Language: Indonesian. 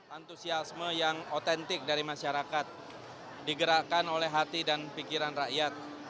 antusiasme yang otentik dari masyarakat digerakkan oleh hati dan pikiran rakyat